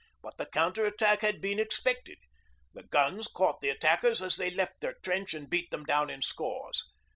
But the counterattack had been expected. The guns caught the attackers as they left their trench and beat them down in scores.